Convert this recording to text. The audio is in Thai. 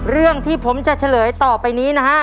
เรื่องที่ผมจะเฉลยต่อไปนี้นะฮะ